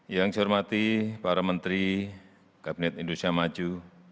yang saya hormati para menteri kabinet indonesia maju